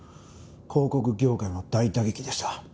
広告業界も大打撃でした。